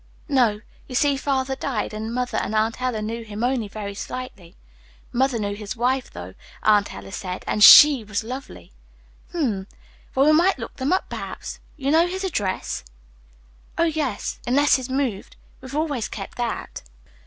"No. You see father died, and mother and Aunt Ella knew him only very slightly. Mother knew his wife, though, Aunt Ella said, and SHE was lovely." "Hm ; well, we might look them up, perhaps. You know his address?" "Oh, yes unless he's moved. We've always kept that.